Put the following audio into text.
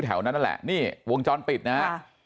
แถวนั้นแหละนี่วงจรปิดนะครับ